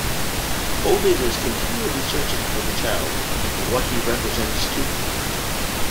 Ovid is continually searching for the Child and what he represents to him.